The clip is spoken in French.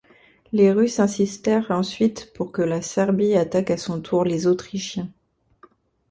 Les Russes insistèrent ensuite pour que la Serbie attaque à son tour les Autrichiens.